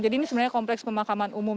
jadi ini sebenarnya kompleks pemakam